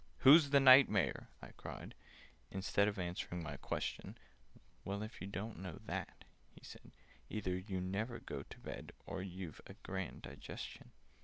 "Who's the Knight Mayor?" I cried. Instead Of answering my question, "Well, if you don't know that," he said, "Either you never go to bed, Or you've a grand digestion!